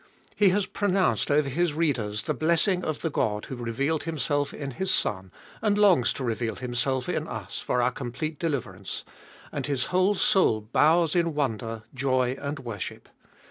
He has pro nounced over his readers the blessing of the God who hath revealed Himself in His Son, and longs to reveal Himself in us for our complete deliverance, and his whole soul bows in wonder, joy, and worship.